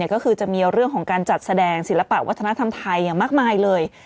ก็คือจะมีเรื่องของการจัดแสดงศิลปะวัฒนธรรมไทยอย่างมากมายเลย